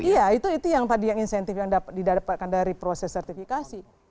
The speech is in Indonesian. iya itu yang tadi yang insentif yang didapatkan dari proses sertifikasi